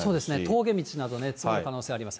峠道など積もる可能性あります。